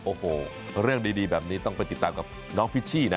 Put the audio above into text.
โอ้โหเรื่องดีแบบนี้ต้องไปติดตามกับน้องพิชชี่นะ